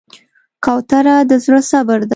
کوتره د زړه صبر ده.